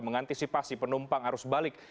mengantisipasi penumpang arus balik